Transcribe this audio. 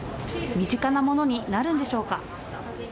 身近なものになるんでしょうか。